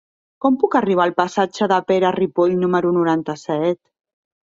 Com puc arribar al passatge de Pere Ripoll número noranta-set?